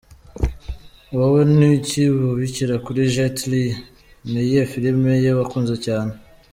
Wowe ni iki wibukira kuri Jet Li? Ni iyihe filime ye wakunze cyane?.